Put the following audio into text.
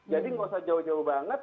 jadi gak usah jauh jauh banget